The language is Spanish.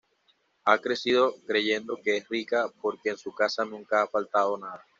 Ha crecido creyendo que es rica, porque en su casa nunca ha faltado nada.